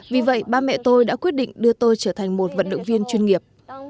vì vậy ba mẹ tôi đã quyết định đưa tôi trở thành một vận động viên chuyên nghiệp